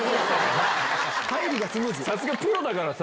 さすがプロだからさ。